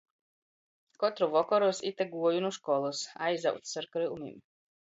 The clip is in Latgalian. Kotru vokoru es ite guoju nu školys. Aizaudzs ar kryumim.